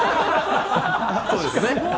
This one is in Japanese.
そうですね。